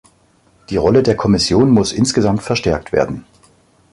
Die Rolle der Kommission muss insgesamt verstärkt werden.